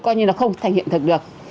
coi như là không thành hiện thực được